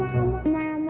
gak usah kang kusoy